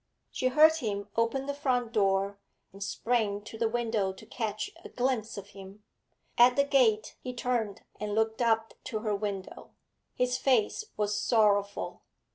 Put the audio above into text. She heard him open the front door, and sprang to the window to catch a glimpse of him. At the gate he turned and looked up to her window; his face was sorrowful.